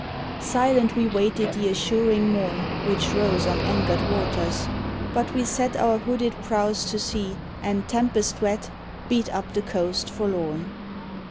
Silent, we waited the assuring morn. Which rose on angered waters. But we set Our hooded prows to sea, and, tempest wet, Beat up the coast forlorn.